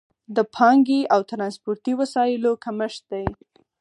د پانګې او ترانسپورتي وسایلو کمښت دی.